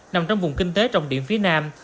nằm trong vùng kinh tế trong điểm phía nam